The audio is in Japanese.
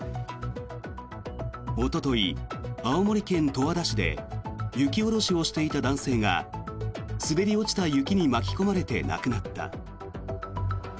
おととい、青森県十和田市で雪下ろしをしていた男性が滑り落ちた雪に巻き込まれて亡くなった。